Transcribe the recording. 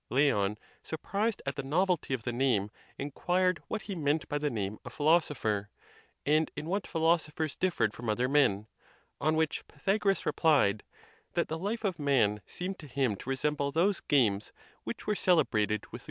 Leon, surprised at the novelty of the name, inquired what he meant by the name of philosopher, and in what philosophers differed from other men; on which Pythagoras replied, "That the life of man seemed to him to resemble those games which were celebrated with the 166 TILE TUSCULAN DISPUTATIONS..